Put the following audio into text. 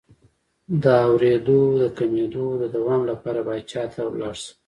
د اوریدو د کمیدو د دوام لپاره باید چا ته لاړ شم؟